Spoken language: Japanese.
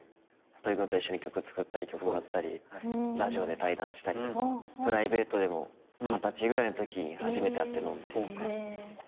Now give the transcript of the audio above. とり君とは一緒に曲作ったり曲もらったりラジオで対談したりとかプライベートでも二十歳ぐらいのときに初めて会って飲んだりとか。